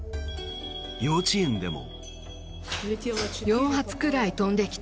幼稚園でも。